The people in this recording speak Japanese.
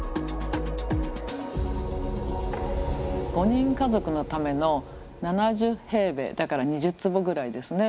５人家族のための７０平米だから２０坪ぐらいですね。